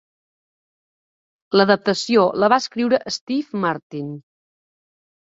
L'adaptació la va escriure Steve Martin.